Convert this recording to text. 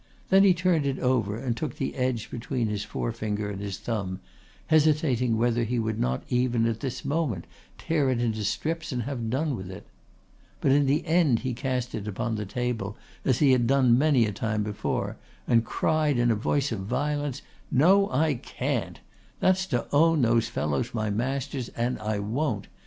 Then he turned it over and took the edge between his forefinger and his thumb, hesitating whether he would not even at this moment tear it into strips and have done with it. But in the end he cast it upon the table as he had done many a time before and cried in a voice of violence: "No, I can't. That's to own these fellows my masters and I won't.